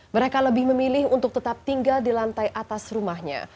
mereka lebih memilih untuk tetap tinggal di lantai atas rumahnya